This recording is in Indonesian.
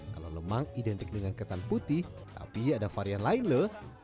kalau lemang identik dengan ketan putih tapi ada varian lain lho